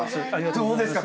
どうですか？